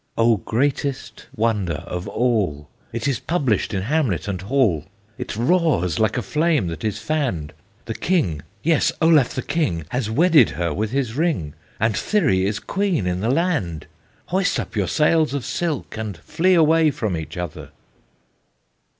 O, greatest wonder of all! It is published in hamlet and hall, It roars like a flame that is fanned! The King yes, Olaf the King Has wedded her with his ring, And Thyri is Queen in the land! Hoist up your sails of silk, And flee away from each other.